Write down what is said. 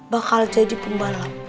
bakal jadi pembalap